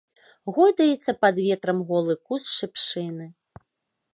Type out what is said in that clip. Гойдаецца пад ветрам голы куст шыпшыны.